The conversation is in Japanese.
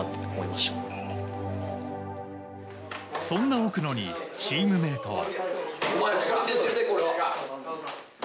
そんな奥野にチームメートは。